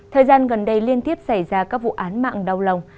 thời gian gần đây liên tiếp xảy ra các vụ án mạng đau lòng